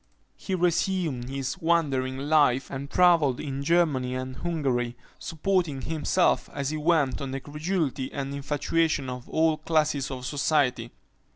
He resumed his wandering life, and travelled in Germany and Hungary, supporting himself as he went on the credulity and infatuation of all classes of society.